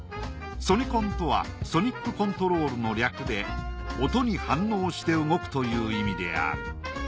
ソニコンとはソニック・コントロールの略で音に反応して動くという意味である。